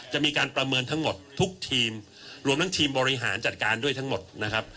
จะมีการประเมินทั้งหมดทุกทีมรวมทั้งทีมบริหารจัดการด้วยทั้งหมดนะครับ